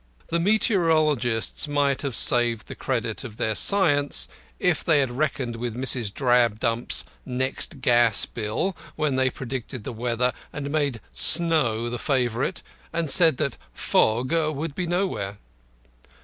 The meteorologists might have saved the credit of their science if they had reckoned with Mrs. Drabdump's next gas bill when they predicted the weather and made "Snow" the favourite, and said that "Fog" would be nowhere.